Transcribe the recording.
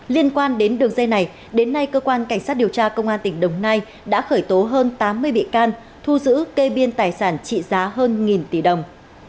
liên quan đến đường dây này đến nay cơ quan cảnh sát điều tra công an tỉnh đồng nai đã khởi tố hơn tám mươi bị can thu giữ kê biên tài sản trị giá hơn nghìn tỷ đồng